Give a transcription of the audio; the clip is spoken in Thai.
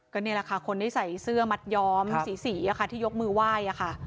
ก็นี่แหละค่ะคนที่ใส่เสื้อมัดย้อมสีที่ยกมือไหว้ค่ะ